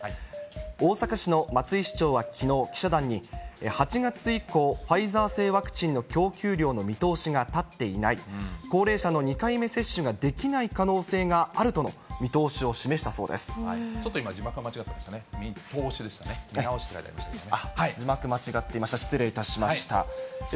大阪市の松井市長はきのう、記者団に、８月以降、ファイザー製ワクチンの供給量の見通しが立っていない、高齢者の２回目接種ができない可能性があるとの見通しを示したそちょっと今、字幕が間違っていましたね。